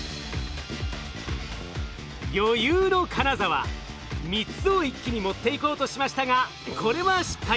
余裕の金沢３つを一気に持っていこうとしましたがこれは失敗。